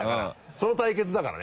その対決だからね。